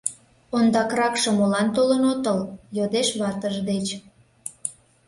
— Ондакракше молан толын отыл? — йодеш ватыж деч.